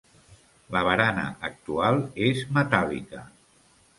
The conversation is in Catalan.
La barana actual és metàl·lica.